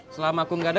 selama aku gak ada